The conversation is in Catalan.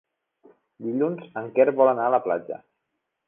Dilluns en Quer vol anar a la platja.